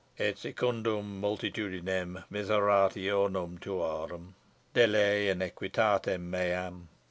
Et secundum multitudinem miserationum tuarum, dele iniquitatem meam.